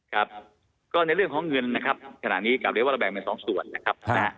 ครับก็ในเรื่องของเงินนะครับขณะนี้กลับเรียนว่าเราแบ่งเป็นสองส่วนนะครับนะฮะ